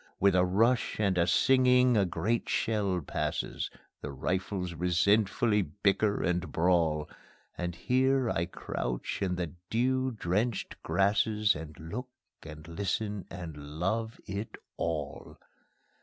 With a rush and a singing a great shell passes; The rifles resentfully bicker and brawl, And here I crouch in the dew drenched grasses, And look and listen and love it all.